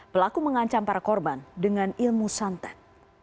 pelaku mengancam para korban dengan ilmu santet